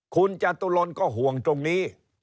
คุณจตุรนก็ห่วงตรงนี้